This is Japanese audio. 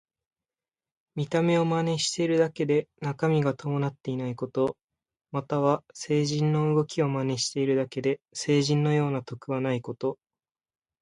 見た目を真似しているだけで中身が伴っていないこと。または、聖人の動きを真似しているだけで聖人のような徳はないこと。